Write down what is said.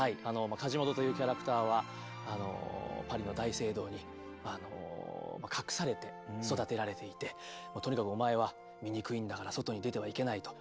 カジモドというキャラクターはパリの大聖堂に隠されて育てられていてとにかくお前は醜いんだから外に出てはいけないと。